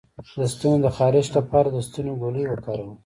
د ستوني د خارش لپاره د ستوني ګولۍ وکاروئ